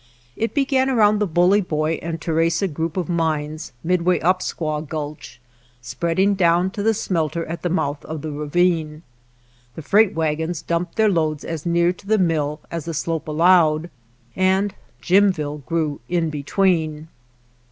It began around the Bully Boy and Theresa group of mines midway up Squaw Gulch, spreading down to the smelter at the mouth of the ravine. The freight wagons dumped their loads as near to the mill as the slope allowed, and Jimville grew in between.